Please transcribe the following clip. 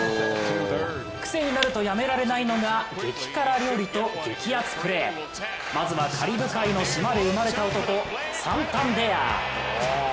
癖になるとやめられないのが激辛料理と激アツプレーまずはカリブ海の島で生まれた男、サンタンデアー。